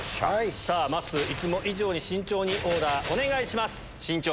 さぁまっすーいつも以上に慎重にオーダーお願いします。